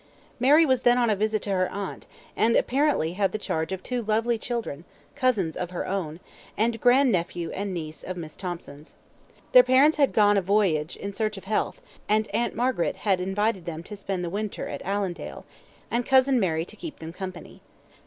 Mary was then on a visit to her aunt, and apparently had the charge of two lovely children, cousins of her own, and grand nephew and niece of Miss Thomson's. Their parents had gone a voyage in search of health, and Aunt Margaret had invited them to spend the winter at Allendale, and cousin Mary to keep them company.